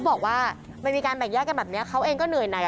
พนักงานแบ่งแยกกันแบบนี้เขาเองก็เหนื่อยไหน